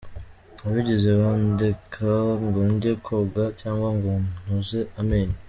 Ntibigeze bandeka ngo njye koga cyangwa ngo noze amenyo.